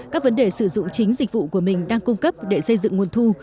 các vấn đề sử dụng chính dịch vụ của mình đang cung cấp để xây dựng nguồn thu